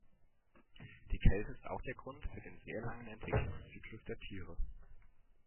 Die Kälte ist auch der Grund für den sehr langen Entwicklungszyklus der Tiere.